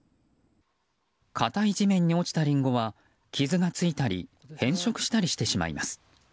固い地面に落ちたリンゴは傷がついたり変色したりしてしまいます。